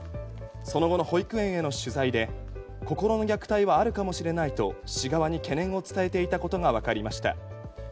その後の保育園への取材で心の虐待はあるかもしれないと市側に懸念を伝えていたことが分かりました。